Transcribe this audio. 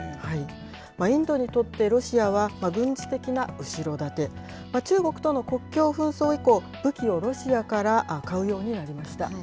インドにとってロシアは、軍事的な後ろ盾、中国との国境紛争以降、武器をロシアから買うようになりました。